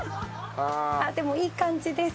あっでもいい感じです。